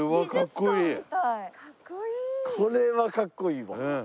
これはかっこいいわ。